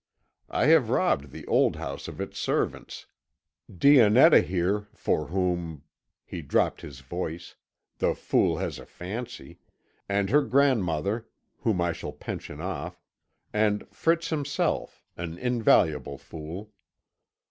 I have robbed the old house of its servants Dionetta here, for whom" (he dropped his voice) "the fool has a fancy, and her grandmother, whom I shall pension off, and Fritz himself an invaluable fool.